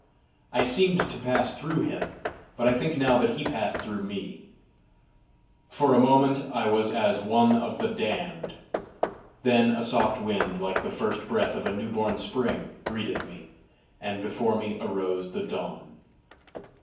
I seemed to pass through him, but I think now that he passed through me: for a moment I was as one of the damned. Then a soft wind like the first breath of a new born spring greeted me, and before me arose the dawn.